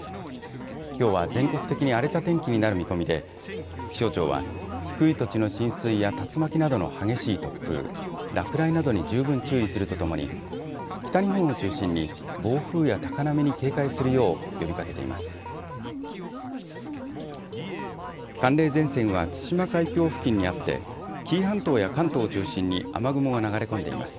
きょうは全国的に荒れた天気になる見込みで気象庁は低い土地の浸水や竜巻などの激しい突風、落雷などに十分注意するとともに北日本を中心に暴風や高波に警戒するよう呼びかけています。